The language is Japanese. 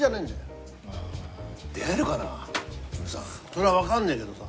そりゃ分かんないけどさ。